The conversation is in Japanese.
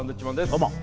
どうも。